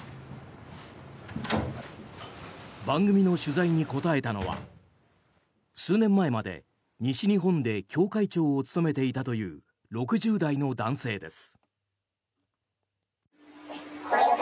番組の取材に答えたのは数年前まで西日本で教会長を務めていたという６０代の男性です。